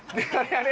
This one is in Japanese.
あれ？